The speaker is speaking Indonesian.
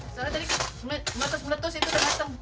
soalnya tadi meletus meletus itu tergetem